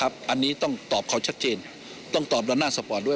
อันนี้ต้องตอบเขาชัดเจนต้องตอบด้านหน้าสปอร์ตด้วย